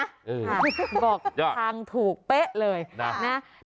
อย่าบอกทางถูกเป๊ะเลยนะยอด